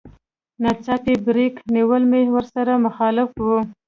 ناڅاپي بريک نيول مې ورسره مخالف و.